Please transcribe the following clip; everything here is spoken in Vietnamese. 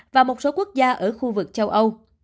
và một số quốc gia ở khu vực châu âu